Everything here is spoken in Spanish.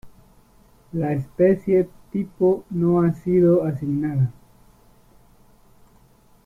La especie tipo no ha sido asignada.